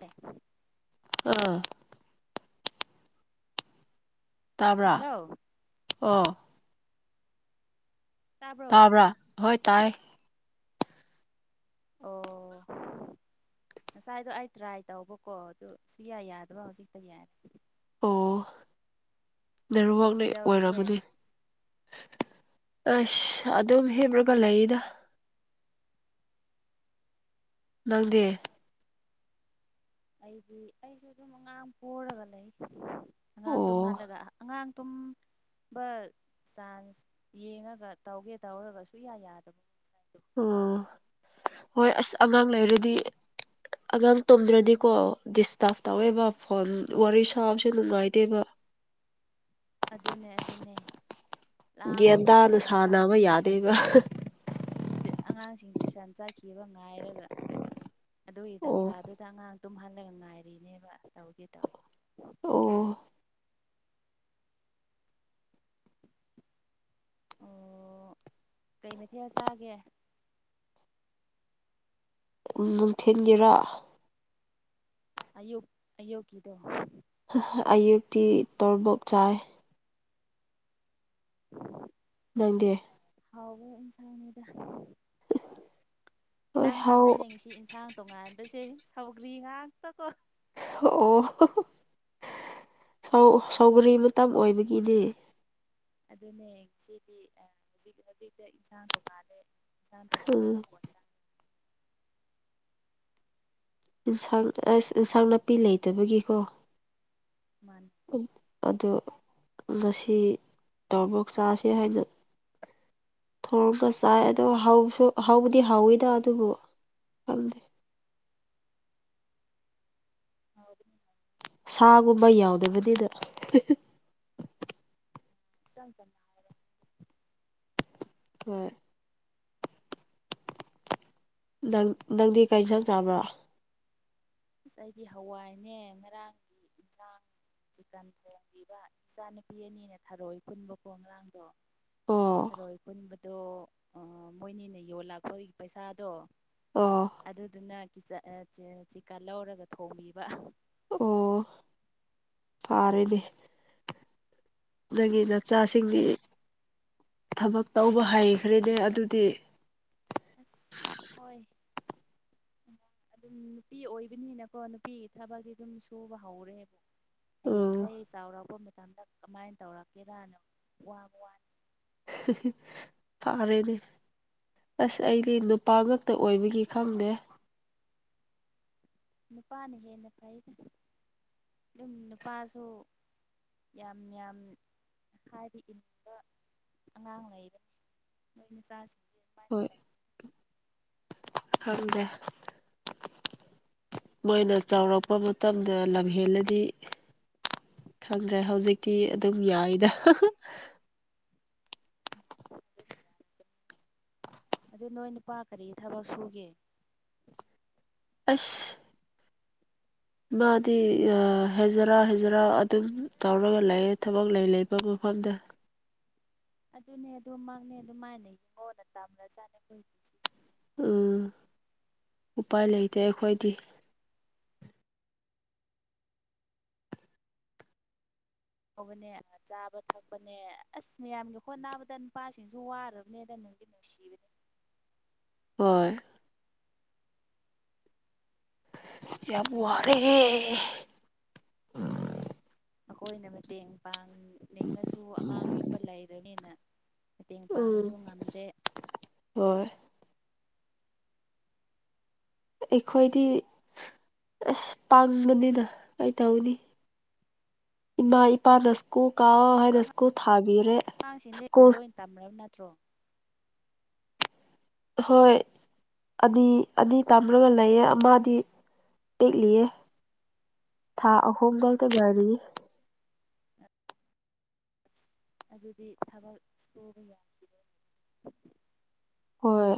ꯇꯦ ꯑꯥ ꯇꯥꯕ꯭ꯔꯥ ꯍꯜꯂꯣ ꯑꯣ ꯇꯥꯕ꯭ꯔꯣ ꯇꯥꯕ꯭ꯔꯥ ꯍꯣꯏ ꯇꯥꯏ ꯑꯣ ꯉꯁꯥꯏꯗꯣ ꯑꯩ ꯇ꯭ꯔꯥꯏ ꯇꯧꯕꯀꯣ ꯑꯗꯨ ꯁꯨꯌꯥ ꯌꯥꯗꯕ ꯍꯧꯖꯤꯛꯇ ꯌꯥꯏ ꯑꯣ ꯅꯦꯠꯋꯥꯛꯅ ꯀꯩꯗꯧꯔꯤꯒꯦ ꯑꯣꯏꯔꯝꯒꯅꯦ ꯑꯩꯁ ꯑꯗꯨꯝ ꯍꯦꯕꯔꯒ ꯂꯩꯗ ꯅꯪꯗꯤ ꯑꯩꯗꯤ ꯑꯩꯁꯨ ꯑꯗꯨꯝ ꯑꯉꯥꯡ ꯄꯣꯔꯒ ꯂꯩ ꯑꯉꯥꯡ ꯑꯣ ꯇꯨꯝꯍꯜꯂꯒ ꯑꯉꯥꯡ ꯇꯨꯝꯕ ꯆꯥꯟꯁ ꯌꯦꯡꯉꯒ ꯇꯧꯒꯦ ꯇꯧꯔꯒ ꯁꯨꯌꯥ ꯌꯥꯗꯕ ꯉꯁꯥꯏꯗꯣ ꯑꯣ ꯍꯣꯏ ꯑꯁ ꯑꯉꯥꯡ ꯂꯩꯔꯗꯤ ꯑꯉꯥꯡ ꯇꯨꯝꯗ꯭ꯔꯗꯤꯀꯣ ꯗꯤꯁꯇꯔꯕ ꯇꯧꯋꯦꯕ ꯐꯣꯟ ꯋꯥꯔꯤ ꯁꯥꯕꯁꯦ ꯅꯨꯡꯉꯥꯏꯇꯦꯕ [inaudible] ꯑꯗꯨꯅꯦ ꯑꯗꯨꯅꯦ ꯒꯌ꯭ꯥꯟ ꯇꯥꯅ ꯂꯥꯡꯕꯁꯤꯒ ꯁꯥꯟꯅꯕ ꯑꯉꯥꯡꯁꯤꯡ ꯇꯨꯏꯁꯟ ꯌꯥꯗꯦꯕ ꯑꯉꯥꯡꯁꯤꯡ ꯇ꯭ꯨꯏꯁꯟ ꯆꯠꯈꯤꯕ ꯉꯥꯏꯔꯒ ꯑꯗꯨꯒꯤ ꯑꯣ ꯇꯥꯟꯖꯥꯗꯨꯗ ꯑꯉꯥꯡ ꯇꯨꯝꯍꯜꯂꯒ ꯉꯥꯏꯔꯤꯅꯦꯕ ꯇꯧꯒꯦ ꯇꯧꯔꯤ ꯑꯣ ꯑꯣ ꯀꯩ ꯃꯊꯦꯜ ꯆꯥꯒꯦ ꯅꯨꯡꯊꯤꯟꯒꯤꯔꯣ ꯑꯌꯨꯛ ꯑꯌꯨꯛꯀꯤꯗꯣ ꯑꯌꯨꯛꯇꯤ ꯇꯣꯔꯕꯣꯛ ꯆꯥꯏ [unintelligible] ꯅꯪꯗꯤ ꯍꯥꯎꯕ ꯏꯟꯁꯥꯡꯅꯤꯗ ꯍꯣꯏ ꯅꯪ ꯍꯥꯎ ꯈꯛꯇꯅꯦ ꯉꯁꯤ ꯏꯟꯁꯥꯡ ꯇꯣꯡꯉꯥꯟꯕꯁꯦ ꯁꯧꯒ꯭ꯔꯤ ꯉꯥꯛꯇꯀꯣ ꯑꯣ ꯁꯧ ꯁꯧꯒꯔꯤ ꯃꯇꯝ ꯑꯣꯏꯕꯒꯤꯅꯦ ꯑꯗꯨꯅꯦ ꯁꯤꯗꯤ ꯑ ꯍꯧꯖꯤꯛ ꯍꯧꯖꯤꯛꯇ ꯏꯟꯁꯥꯡ ꯇꯣꯡꯉꯥꯜꯂꯦ ꯏꯟꯁꯥꯡ ꯇꯣꯡꯉꯥꯟꯕ ꯎꯝ ꯃꯈꯣꯟ ꯇꯥꯏ ꯏꯟꯁꯥꯡ ꯑꯁ ꯏꯟꯁꯥꯡ ꯅꯥꯄꯤ ꯂꯩꯇꯕꯒꯤꯀꯣ ꯃꯥꯅꯦ ꯑꯗꯨ ꯉꯁꯤ ꯇꯔꯣꯕꯣꯛ ꯆꯥꯁꯦ ꯍꯥꯏꯅ ꯊꯣꯡꯉꯒ ꯆꯥꯏ ꯑꯗꯣ‌ ꯍꯥꯎꯁꯨ ꯍꯧꯕꯗꯤ ꯍꯧꯥꯎꯋꯤꯗ ꯑꯗꯨꯕꯨ ꯐꯝꯗꯦ [unintelligible] ꯃꯥꯒꯨꯝꯕ ꯌꯥꯎꯗꯕꯗꯤꯗ [unintelligible] ꯍꯣꯏ ꯅꯪ ꯅꯪꯗꯤ ꯀꯔꯤ ꯆꯞ ꯆꯥꯕ꯭ꯔꯥ ꯑꯁ ꯑꯩꯗꯤ ꯍꯋꯥꯏꯅꯦ ꯉꯔꯥꯡꯒꯤ ꯏꯟꯁꯥꯡ ꯆꯤꯀꯟ ꯊꯣꯡꯕꯤꯕ ꯏꯆꯥ ꯅꯨꯨꯄꯤ ꯑꯅꯤꯅ ꯊꯥꯔꯛꯏ ꯄꯨꯟꯕꯀꯣ ꯉꯔꯥꯡꯗꯣ ꯑꯣ ꯊꯔꯣꯏ ꯀꯨꯟꯕꯗꯣ ꯃꯣꯏꯅꯤꯅ ꯌꯣꯜꯂꯥꯛꯄꯒꯤ ꯄꯩꯁꯥꯗꯣ ꯑꯣ ꯑꯗꯨꯗꯨꯅ ꯆꯤꯀꯥ ꯂꯧꯔꯒ ꯊꯣꯡꯕꯤꯕ ꯑꯣ ꯐꯔꯦꯅꯦ ꯅꯪꯒꯤ ꯅꯆꯥꯁꯤꯡꯒꯤ ꯊꯕꯛ ꯇꯧꯕ ꯍꯩꯈ꯭ꯔꯦꯅꯦ ꯑꯗꯨꯗꯤ ꯑ ꯍꯣꯏ ꯑꯗꯨꯝ ꯅꯨꯄꯤ ꯑꯣꯏꯕꯅꯤꯅꯀꯣ ꯅꯨꯄꯤꯒꯤ ꯊꯕꯛꯛꯇꯤ ꯑꯗꯨꯝ ꯁꯨꯕ ꯍꯧꯔꯦꯕ ꯑꯣ ꯍꯌꯦꯡꯈꯩ ꯆꯥꯎꯔꯛꯄ ꯃꯇꯝꯗ ꯀꯃꯥꯏꯅ ꯇꯧꯔꯛꯀꯦꯔꯥꯅꯣ ꯋꯥꯕ ꯋꯥꯅꯤ ꯐꯔꯦꯅꯦ ꯑꯁ ꯑꯩꯗꯤ ꯅꯨꯄꯥ ꯉꯛꯇ ꯑꯣꯏꯕꯒꯤ ꯈꯪꯗꯦ ꯅꯨꯄꯥꯅ ꯍꯦꯟꯅ ꯐꯩ ꯑꯗꯨꯝ ꯅꯨꯄꯥꯁꯨ ꯌꯥꯝ ꯌꯥꯝ ꯍꯥꯏꯕ ꯏꯅꯤꯡꯕ ꯑꯉꯥꯡ ꯂꯩꯕꯅꯤ ꯃꯁꯖ ꯍꯣꯏ ꯊꯝꯗꯦ ꯃꯣꯏꯅ ꯆꯥꯎꯔꯛꯄ ꯃꯇꯝꯗ ꯂꯝꯍꯦꯜꯂꯗꯤ ꯈꯪꯗ꯭ꯔꯦ ꯍꯧꯖꯤꯛꯇꯤ ꯑꯗꯨꯝ ꯌꯥꯏꯗ ꯎꯝ ꯑꯗꯨ ꯅꯣꯏ ꯅꯨꯄꯥ ꯀꯔꯤ ꯊꯕꯛ ꯁꯨꯒꯦ ꯑꯁ ꯃꯥꯗꯤ ꯍꯩꯖꯔꯥ ꯍꯩꯖꯔꯥ ꯑꯗꯨꯝ ꯇꯧꯔꯒ ꯂꯩꯑ ꯊꯕꯛ ꯂꯩ ꯂꯩꯕꯕꯨ ꯐꯗ ꯑꯗꯨꯅꯦ ꯑꯗꯨ ꯃꯥꯡꯅꯦ ꯑꯗꯨ ꯃꯥꯏꯅꯩ ꯌꯦꯡꯉꯣꯅ ꯇꯥꯝꯂ ꯆꯥꯅꯦꯈꯣꯏꯒꯤꯁꯤ ꯎꯝ ꯎꯄꯥꯏ ꯂꯩꯇꯦ ꯑꯩꯈꯣꯏꯗꯤ ꯍꯅꯦ ꯆꯥꯕ ꯊꯛꯄꯅꯦ ꯑꯁ ꯃꯌꯥꯝꯒꯤ ꯍꯣꯠ ꯅꯥꯕꯗ ꯅꯨꯄꯥꯁꯤꯡꯁꯨ ꯋꯥꯔꯕꯅꯦꯗ [unintelligible] [inaudible] ꯍꯣꯏ ꯌꯥꯕꯨ ꯑꯔꯒ ꯑꯩꯈꯣꯏꯅ ꯃꯇꯦꯡ ꯄꯥꯡꯅꯤꯡꯉꯁꯨ ꯑꯉꯥꯡ ꯄꯤꯛꯄ ꯂꯩꯔꯕꯅꯤꯅ ꯃꯇꯦꯡ ꯎꯝ ꯄꯥꯡꯕꯁꯨ ꯉꯝꯗꯦ ꯍꯣꯏ ꯑꯩꯈꯣꯏꯗꯤ ꯑꯁ ꯄꯥꯝꯕꯅꯤꯅ ꯀꯩꯇꯧꯅꯤ [unintelligible] [inaudible] ꯏꯃꯥ ꯏꯄꯥꯅ ꯁ꯭ꯀꯨ ꯀꯥꯎ ꯑꯗꯨ ꯍꯥꯏꯅ ꯁ꯭ꯀꯨ ꯊꯥꯕꯤꯔꯦ ꯁꯀꯨꯜ ꯀꯇ꯭ꯔꯣ ꯍꯣꯏ ꯑꯅꯤ ꯑꯅꯤ ꯇꯝꯂꯒ ꯂꯩꯌꯦ ꯑꯃꯗꯤ ꯄꯛꯂꯤꯌꯦ ꯊꯥ ꯑꯍꯨꯝꯗꯛꯇ ꯌꯥꯔꯤ ꯑꯗꯨꯗꯤ ꯊꯕꯛ ꯁꯨꯕ ꯌꯥꯈꯤꯗꯦ ꯍꯣꯏ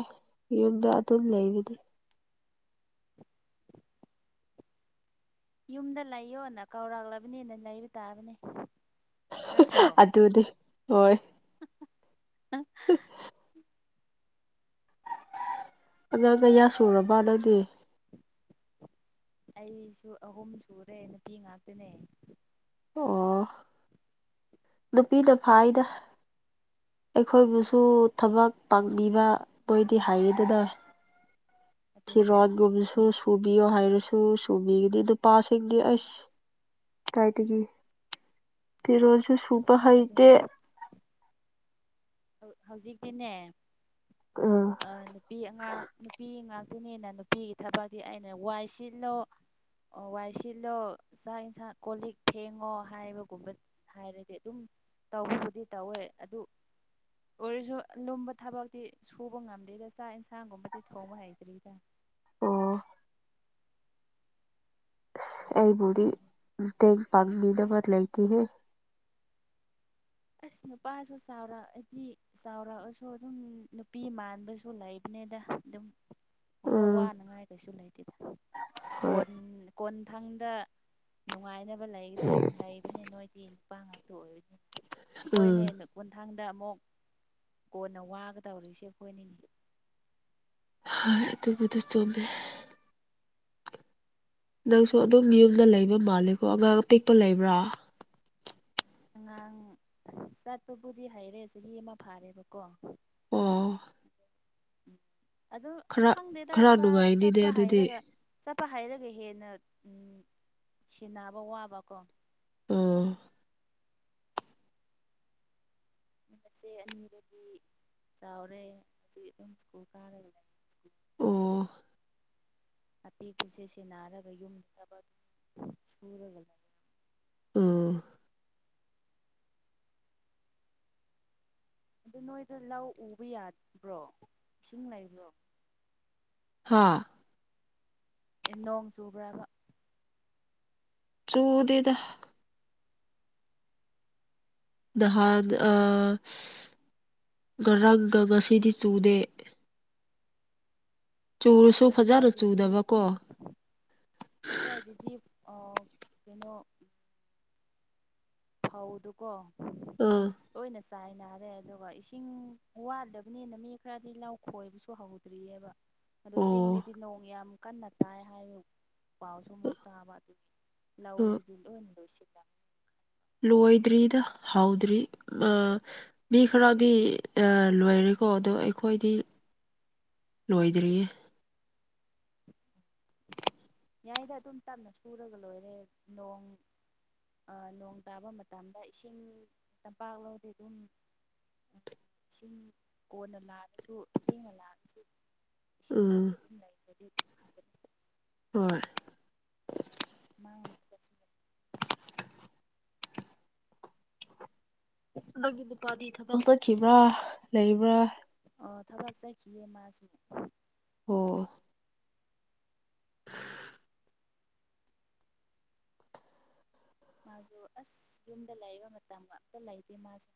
ꯌꯨꯝꯗ ꯑꯗꯨꯝ ꯂꯩꯕꯗꯤ [unintelligible] [inaudible] ꯌꯨꯝꯗ ꯂꯩꯌꯣꯅ ꯀꯧꯔꯛꯂꯕꯅꯤꯅ ꯂꯩꯕ ꯇꯥꯕꯅꯦ ꯑꯗꯨꯅꯦ ꯍꯣꯏ ꯑ ꯑꯉꯥꯡ ꯀꯌꯥ ꯁꯨꯔꯕ ꯑꯗꯨꯗꯤ ꯑꯩꯁꯨ ꯑꯍꯨꯝ ꯁꯨꯔꯦ ꯅꯨꯄꯤ ꯉꯥꯛꯇꯅꯦ ꯑꯣ ꯅꯨꯄꯤꯗ ꯐꯥꯗ ꯑꯩꯈꯣꯏꯕꯨꯁꯨ ꯊꯕꯛ ꯄꯥꯡꯕꯤꯕ ꯃꯣꯏꯗꯤ ꯍꯥꯏꯌꯦꯗꯅ ꯐ ꯑꯗꯨꯅꯦ ꯔꯖꯒꯣꯕꯤꯁꯨ ꯁꯨꯕꯤꯌꯣ ꯍꯥꯏꯔꯁꯨ ꯁꯨꯕꯤꯒꯤꯗꯤ ꯅꯨꯄꯥꯁꯤꯡꯗꯤ ꯑꯁ ꯀꯥꯏꯗꯒꯤ ꯐꯤꯔꯣꯜꯁꯨ ꯁꯨꯕ ꯑꯁ ꯍꯩꯇꯦ ꯑꯗꯨꯅꯦ ꯍꯧꯖꯤꯛꯇꯤꯅꯦ ꯎꯝ ꯅꯨꯄꯤ ꯑꯉꯥꯡ ꯅꯨꯄꯤ ꯑꯗꯨꯅꯤꯅ ꯅꯨꯄꯤꯒꯤ ꯊꯕꯛꯇꯤ ꯑꯩꯅ ꯋꯥꯏ ꯁꯤꯠꯂꯣ ꯋꯥꯏ ꯁꯤꯜꯂꯣ ꯆꯥꯛ ꯌꯦꯟꯁꯥꯡ ꯀꯣꯜ ꯂꯤꯛ ꯐꯦꯡꯉꯣ ꯍꯥꯏꯕꯒꯨꯝꯕ ꯍꯥꯏꯔꯗꯤ ꯑꯗꯨꯝ ꯇꯧꯕꯕꯨꯗꯤ ꯇꯧꯋꯦ ꯑꯗꯨ ꯑꯣꯏꯔꯁꯨ ꯂꯨꯝꯕ ꯊꯕꯛꯇꯤ ꯁꯨꯕ ꯉꯝꯗ꯭ꯔꯤꯗ ꯆꯥꯛ ꯌꯦꯟꯁꯥꯡꯒꯨꯝꯕꯗꯤ ꯊꯣꯡꯧꯕ ꯍꯩꯇ꯭ꯔꯤꯗ ꯑꯣ ꯑꯩꯕꯨꯔꯤ ꯇꯦꯡ ꯄꯥꯡ ꯃꯤꯅ ꯃꯔ ꯂꯩꯇꯍꯦ ꯑꯁ ꯅꯨꯄꯥꯁꯨ ꯆꯥꯎꯔꯛꯑꯗꯤ ꯆꯥꯎꯔꯛꯑꯁꯨ ꯑꯗꯨꯝ ꯅꯨꯄꯤ ꯃꯥꯟꯕꯁꯨ ꯂꯩꯕꯅꯤ ꯅꯦꯗ ꯑꯗꯨꯝ ꯎꯝ ꯋꯥꯅꯉꯥꯏ ꯀꯩꯁꯨ ꯂꯩꯇꯦꯗ ꯍꯣꯏ ꯀꯣꯟ ꯀꯣꯟ ꯃꯊꯪꯗ ꯅꯨꯡꯉꯥꯏꯅꯕ ꯂꯩꯗ ꯂꯩꯕꯅꯤ ꯅꯣꯏꯗꯤ ꯅꯨꯄꯥ ꯉꯥꯛꯇ ꯑꯣꯏꯕꯅꯤ ꯍꯣꯏꯅꯦ ꯎꯝ ꯃꯊꯥꯡꯗ ꯑꯃꯨꯛ ꯀꯣꯟꯅ ꯋꯥꯒ ꯇꯧꯔꯛꯏꯁꯦ ꯑꯩꯈꯣꯏꯅꯤꯅꯤ ꯍ ꯑꯗꯨꯕꯨꯗꯤ ꯆꯨꯝꯃꯦ ꯅꯪꯁꯨ ꯑꯗꯨꯝ ꯌꯨꯝꯗ ꯂꯩꯕ ꯃꯥꯜꯂꯀꯣ ꯑꯉꯥꯡ ꯑꯄꯤꯛꯄ ꯂꯩꯕ꯭ꯔꯥ ꯑꯉꯥꯡ ꯆꯠꯄꯕꯨꯗꯤ ꯍꯩꯔꯦ ꯆꯍꯤ ꯑꯃ ꯐꯥꯔꯦꯕꯀꯣ ꯑꯣ ꯎꯝ ꯑꯗꯨ ꯈꯔ ꯈꯪꯗꯦꯗ ꯈꯔ ꯅꯨꯡꯉꯥꯏꯅꯤꯅꯦ ꯆꯠꯄ ꯑꯗꯨꯗꯤ ꯍꯥꯏꯔꯒ ꯆꯄ ꯍꯥꯏꯔꯒ ꯍꯦꯟꯅ ꯁꯦꯟꯅꯕ ꯋꯥꯕꯀꯣ ꯑꯣ ꯃꯁꯦ ꯑꯅꯤꯗꯗꯤ ꯆꯥꯎꯔꯦ ꯍꯧꯖꯤꯛ ꯑꯗꯨꯝ ꯁ꯭ꯀꯨꯜ ꯀꯥꯔꯦ ꯑꯣ ꯑꯄꯤꯦꯛꯄꯁꯦꯁꯦ ꯅꯥꯔꯒ ꯌꯨꯝꯗ ꯊꯕꯛ ꯁꯨꯔꯒ ꯂꯩꯔꯝ ꯎ ꯑꯗꯨ ꯅꯣꯏꯗ ꯂꯧ ꯎꯕ ꯌꯥꯕ꯭ꯔꯣ ꯏꯁꯤꯡ ꯂꯩꯕ꯭ꯔꯣ ꯍꯥꯥ ꯅꯣꯡ ꯆꯨꯕ꯭ꯔꯕ ꯆꯨꯗꯗ ꯗꯍꯥꯟ ꯑ ꯔꯒꯒꯁꯤ ꯁꯗꯦ ꯐꯖꯅ ꯑꯁ꯭ꯋꯥꯏꯗꯗꯤ ꯆꯨꯗꯕꯀꯣ ꯑꯁꯋꯥꯏꯗꯗꯤ ꯀꯩꯅꯣ ꯍꯥꯎꯗꯨꯀꯣ ꯑꯥ ꯆꯥꯏ ꯅꯥꯔꯦ ꯑꯗꯨꯒ ꯏꯁꯤꯡ ꯋꯥꯗꯕꯅꯤꯅ ꯃꯤ ꯈꯔꯗꯤ ꯂꯧ ꯈꯣꯏꯕꯁꯨ ꯍꯧꯗ꯭ꯔꯤꯑꯕ ꯑꯗꯨ ꯑꯣ ꯆꯤꯡꯗꯗꯤ ꯅꯣꯡ ꯌꯥꯝ ꯀꯟꯅ ꯇꯥꯏ ꯍꯥꯏꯌꯨ ꯄꯥꯎꯁꯨ ꯑꯃꯨꯛ ꯇꯥꯕ ꯑꯗꯨꯒꯤ ꯑ ꯂꯧꯗꯨꯗꯤ ꯂꯣꯏꯅ ꯂꯣꯏꯁꯤ ꯂꯣꯏꯗ꯭ꯔꯤꯗ ꯍꯥꯎꯗ꯭ꯔꯤ ꯑ ꯃꯤ ꯈꯔꯗꯤ ꯂꯣꯏꯔꯦꯀꯣ ꯑꯗꯣ ꯑꯩꯈꯣꯏꯗꯤ [unintelligible] ꯂꯣꯏꯣꯏꯗꯔꯤꯦ ꯌꯥꯌꯥꯏꯗ ꯑꯗꯨꯝ ꯇꯞꯅ ꯁꯨꯔꯒ ꯂꯣꯏꯔꯦ ꯅꯣꯡ ꯅꯣꯡ ꯇꯥꯕ ꯃꯇꯝꯗ ꯏꯁꯤꯡ ꯇꯝꯄꯥꯛ ꯂꯧꯗꯤ ꯑꯗꯨꯝ ꯎꯝ ꯏꯁꯤꯡ ꯀꯣꯟꯅ ꯂꯥꯛꯜꯂꯁꯨ ꯊꯦꯡꯅ ꯂꯥꯛꯜꯑꯁꯨ ꯏꯁꯤꯡ ꯎꯝ ꯑꯗꯨꯝ ꯉꯖꯗꯤ ꯍꯣꯏ ꯅꯪꯅ ꯂꯧ ꯄꯨꯒꯁꯤꯟ [unintelligible] ꯍꯟꯗꯛꯀꯤ ꯅꯨꯄꯥꯗꯤ ꯊꯕꯛ ꯆꯠꯈꯤꯕ꯭ꯔꯥ ꯂꯩꯕ꯭ꯔꯥ ꯑꯣ ꯊꯕꯛ ꯆꯠꯈꯤꯌꯦ ꯃꯥꯁꯨ ꯑꯣ ꯃꯥꯁꯨ ꯑꯁ ꯌꯨꯝꯗ ꯂꯩꯕ ꯃꯇꯝ ꯉꯇ ꯂꯩꯇꯦ ꯃꯥꯁꯦ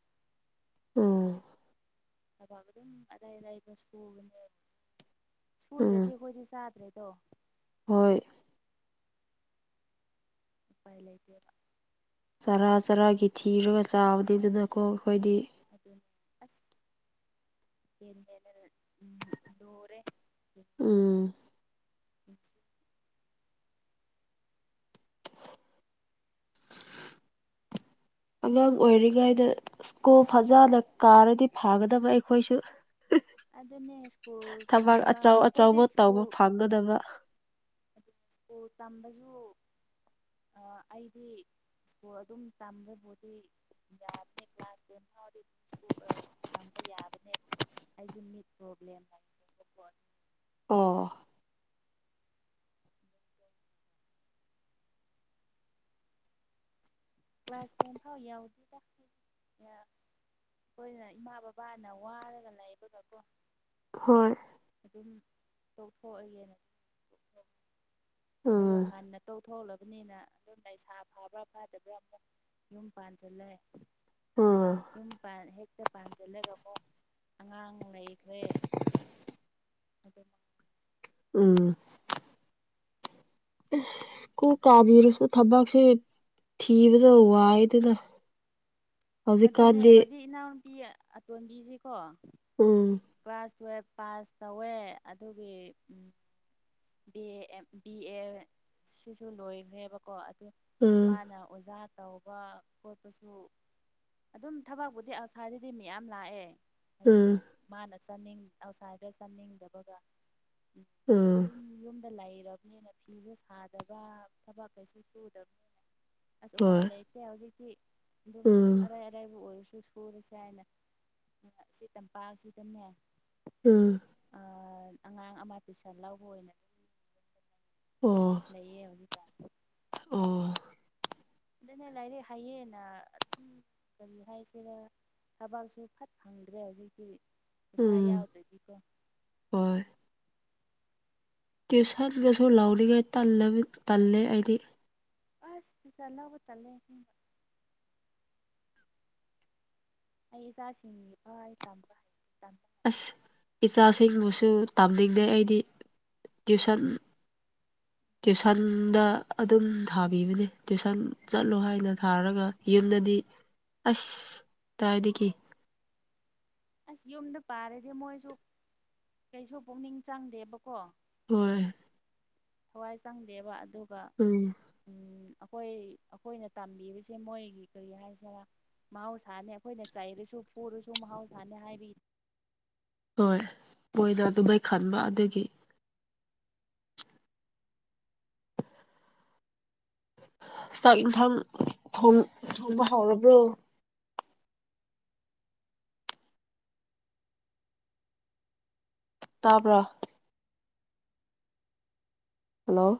ꯎꯝ ꯊꯕ ꯑꯗꯨꯝ ꯑꯔꯩ ꯑꯔꯥꯏꯕ ꯁꯨꯕꯅꯦꯕ ꯁꯨꯗ꯭ꯔꯗꯤ ꯎꯝ ꯑꯩꯈꯣꯏꯗꯤ ꯆꯥꯗ꯭ꯔꯦ ꯑꯗꯣ ꯍꯣꯏ ꯎꯄꯥꯏ ꯂꯩꯇꯦꯕ ꯆꯔꯥ ꯆꯔꯥꯒꯤ ꯊꯤꯔꯒ ꯆꯥꯕꯗꯩꯗꯨꯅꯀꯣ ꯑꯩꯈꯣꯏꯗꯤ ꯑꯁꯅ ꯎꯝ ꯂꯣꯔꯦ ꯎꯝ ꯎꯝ [unintelligible] ꯑꯉꯥꯡ ꯑꯣꯏꯔꯤꯉꯩꯗ ꯁ꯭ꯀꯨꯜ ꯐꯖꯅ ꯀꯥꯔꯗꯤ ꯐꯥꯒꯗꯕ ꯑꯩꯈꯣꯏꯁꯨ ꯑꯗꯨꯅꯤ ꯁ꯭ꯀꯨꯜ ꯊꯕꯛ ꯇꯝꯕ ꯑꯆꯧ ꯑꯩꯈꯣꯏꯗꯤ ꯑꯆꯧꯕ ꯇꯧꯕ ꯁ꯭ꯀꯨꯜ ꯐꯪꯒꯗꯕ ꯑꯗꯨꯒ ꯁ꯭ꯀꯨꯜ ꯇꯝꯕꯁꯨ ꯑꯩꯗꯤ ꯁꯣ ꯑꯗꯨꯝ ꯇꯝꯕꯕꯨꯗꯤ ꯌꯥꯕꯅꯦ ꯀ꯭ꯂꯥꯁ ꯇꯦꯟ ꯐꯥꯎꯗꯤ ꯇꯝꯕ ꯌꯥꯕꯅꯦꯕ ꯑꯩꯁꯦ ꯃꯤꯠ ꯄ꯭ꯔꯣꯕ꯭ꯂꯦꯝ ꯍꯥꯏ ꯑꯣ ꯀ꯭ꯂꯥꯁ ꯇꯦꯟ ꯐꯥꯎ ꯌꯥꯎꯗꯤ ꯇ ꯑꯩꯈꯣꯏꯅ ꯏꯃꯥ ꯕꯕꯥꯅ ꯋꯥꯔꯒ ꯂꯩꯕꯒꯀꯣ ꯍꯣꯏ ꯑꯗꯨꯝ ꯇꯧꯊꯣꯛꯑꯒꯦꯅ ꯇ ꯑꯗꯨꯒ ꯎꯝ ꯉꯟꯅ ꯇꯧꯊꯣꯛꯂꯒ ꯑꯗꯨꯅꯤꯅ ꯑꯗꯨꯝ ꯂꯩꯩꯁꯥ ꯐꯥꯕ꯭ꯔꯥ ꯐꯥꯗꯕ꯭ꯔꯥ ꯑꯃꯨꯛ ꯌꯨꯝ ꯄꯥꯟꯁꯤꯜꯂꯦ ꯎꯝ ꯌꯨꯝ ꯄ ꯍꯦꯛ ꯛꯇ ꯄꯥꯟꯁꯤꯜꯂꯒ ꯑꯃꯨꯛ ꯑꯉꯥꯡ ꯂꯩꯈ꯭ꯔꯦ ꯑꯗꯨꯗ ꯎꯝ ꯀ ꯀꯥꯕꯤꯔ ꯊꯕꯛ ꯐꯦ ꯊꯤꯕꯗꯗ ꯑꯗꯨꯅꯦ ꯍꯧꯖꯤꯛ ꯏꯅꯥꯎꯨꯄꯤ ꯑꯇꯣꯟꯕꯤꯁꯤꯀꯣ ꯎꯝ ꯀ꯭ꯂꯥꯁ ꯇꯨꯋꯦꯜꯞ ꯄꯥꯁ ꯇꯧꯋꯦ ꯑꯗꯨꯒꯤ ꯕꯤ ꯑꯦ ꯕꯤ ꯑꯦ ꯁꯤꯁꯨ ꯂꯣꯏꯈ꯭ꯔꯦꯕꯀꯣ ꯎꯝ ꯃꯥꯅ ꯑꯣꯖꯥ ꯇꯧꯕ ꯈꯣꯠꯄꯁꯨ ꯑꯗꯨꯝ ꯊꯕꯛꯄꯨꯗꯤ ꯑꯁꯥꯗꯗꯤ ꯃꯤꯌꯥꯝ ꯂꯥꯛꯑꯦ ꯑꯗꯨꯕꯨ ꯎꯝ ꯃꯥꯅ ꯆꯅꯤꯡ ꯑꯥꯎꯁꯥꯏꯠꯇ ꯆꯥꯅꯤꯡꯗꯕꯒ ꯎꯝ ꯑꯗꯨꯝ ꯌꯨꯝꯗ ꯂꯩꯔꯕꯅꯤꯅ ꯐꯤꯁꯦ ꯁꯥꯗꯕ ꯊꯕꯛ ꯀꯩꯁꯨ ꯁꯨꯗꯕꯅꯤꯅ ꯑꯁ ꯎꯄꯥꯏ ꯍꯣꯏ ꯂꯩꯇꯦ ꯍꯧꯖꯤꯛꯇꯤ ꯑꯗꯨꯝ ꯎꯝ ꯑꯔꯥꯏ ꯑꯔꯥꯏꯕꯨ ꯑꯣꯏꯔꯁꯨ ꯑꯗꯨ ꯁꯨꯔꯁꯦ ꯍꯥꯏꯅ ꯑꯁꯤ ꯇꯝꯄꯥꯛꯁꯤꯗꯅꯦ ꯎꯝ ꯑꯉꯥꯡ ꯑꯃ ꯄꯤꯁꯥ ꯂꯧꯕ ꯑꯣꯏꯅ ꯑꯣ ꯂꯩꯌꯦ ꯍꯧꯖꯤ ꯇ ꯑꯣ ꯑꯗꯨꯅꯦ ꯂꯥꯏꯔꯤꯛ ꯍꯩꯌꯦꯅ ꯑꯗꯨꯝ ꯀꯔꯤ ꯍꯥꯏꯁꯤꯔ ꯊꯕꯛꯁꯨ ꯐꯠ ꯐꯪꯗ꯭ꯔꯦ ꯍꯧꯖꯤꯛꯇꯤ ꯄꯩꯁꯥ ꯎꯝ ꯌꯥꯎꯗ꯭ꯔꯗꯤꯀꯣ ꯇ꯭ꯋꯨꯁꯟꯒꯁꯨ ꯂꯥꯎꯔꯤꯉꯩ ꯇꯜꯂꯦ ꯑꯩꯗꯤ ꯑꯁ ꯆꯂꯕ ꯆꯂꯦ ꯍ ꯑꯩ ꯏꯆꯥꯁꯤꯡ ꯋꯥꯚ ꯑꯩ ꯇꯝꯕ ꯍꯥꯏꯕ ꯇꯃꯤ ꯑꯁ ꯏꯆꯥꯁꯤꯡꯕꯨꯁꯨ ꯇꯝꯅꯤꯡꯗꯦ ꯑꯩꯗꯤ ꯇ꯭ꯨꯁꯟ ꯇ꯭ꯨꯁꯟꯗ ꯑꯗꯨꯝ ꯊꯥꯕꯤꯕꯅꯦ ꯇ꯭ꯨꯁꯟ ꯑꯗꯨꯅꯦ ꯆꯠꯂꯣ ꯍꯥꯏꯅ ꯇꯨꯏꯁꯟꯗ ꯊꯥꯔꯒ ꯊꯥꯕꯤꯕ ꯌꯨꯝꯗꯗꯤ ꯑꯁ ꯇꯥꯏꯗꯒꯤꯗꯒꯤꯈꯤ ꯑꯁ ꯌꯨꯝꯗ ꯄꯥꯔꯗꯤ ꯃꯣꯏꯁꯨ ꯀꯩꯁꯨ ꯄꯨꯛꯅꯤꯡ ꯆꯪꯗꯦꯕꯀꯣ ꯍꯣꯏ ꯊꯋꯥꯏ ꯆꯪꯗꯦꯕ ꯑꯗꯨꯒ ꯎꯝ ꯎ ꯑꯩꯈꯣꯏ ꯑꯩꯈꯣꯏꯅ ꯇꯝꯕꯤꯕꯁꯦ ꯃꯣꯏꯒꯤ ꯀꯔꯤ ꯍꯥꯏꯁꯤꯔ ꯃꯍꯧꯁꯥꯅꯤ ꯑꯩꯈꯣꯏꯅ ꯆꯩꯥꯏꯔꯁꯨ ꯐꯨꯔꯁꯨ ꯃꯍꯥꯎꯁꯥꯅꯤ ꯍꯥꯏꯔꯤ ꯍꯣꯏ ꯃꯣꯏꯅ ꯑꯗꯨꯃꯩ ꯈꯟꯕ ꯑꯗꯨꯒꯤ ꯆꯥꯛ ꯏꯟꯊꯥꯡ ꯊꯣꯡꯕ ꯍꯧꯥꯎꯔꯕ꯭ꯔꯣ ꯇꯥꯕ꯭ꯔꯥ ꯍꯜꯂꯣ